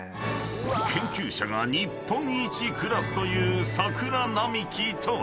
［研究者が日本一クラスという桜並木とは？］